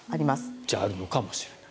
じゃああるのかもしれない。